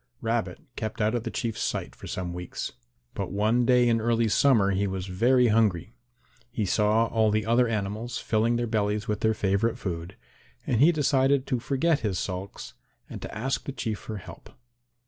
Rabbit kept out of the Chief's sight for some weeks. But one day in early summer he was very hungry. He saw all the other animals filling their bellies with their favourite food, and he decided to forget his sulks and to ask the Chief for help.